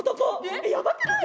えっやばくない？